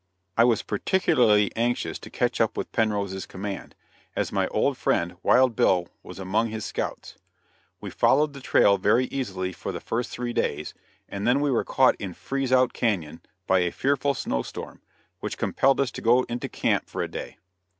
I was particularly anxious to catch up with Penrose's command, as my old friend Wild Bill was among his scouts. We followed the trail very easily for the first three days, and then we were caught in Freeze Out canyon by a fearful snow storm, which compelled us to go into camp for a day.